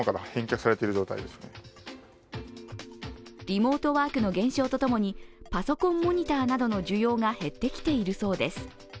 リモートワークの減少とともにパソコンモニターなどの需要が減ってきているそうです。